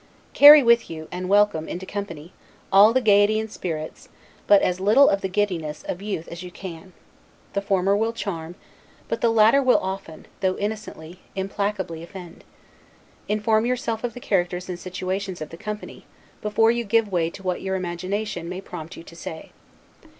Carry with you, and welcome, into company all the gaiety and spirits, but as little of the giddiness, of youth as you can. The former will charm; but the latter will often, though innocently, implacably offend. Inform yourself of the characters and situations of the company, before you give way to what your imagination may prompt you to say.